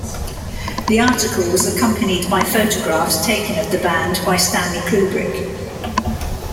The article was accompanied by photographs taken of the band by Stanley Kubrick.